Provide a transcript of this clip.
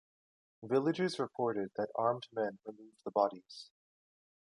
Villagers reported that armed men removed the bodies.